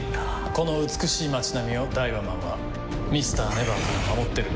この美しい街並みをダイワマンはＭｒ．ＮＥＶＥＲから守ってるんだ。